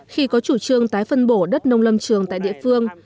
khi có chủ trương tái phân bổ đất nông lâm trường tại địa phương